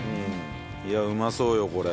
いやうまそうよこれ。